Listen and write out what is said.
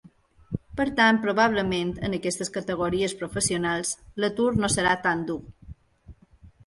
Per tant, probablement, en aquestes categories professionals, l’atur no serà tan dur.